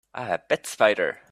I have a pet spider.